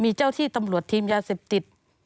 มีเจ้าที่ตำรวจทีมยาเสพติด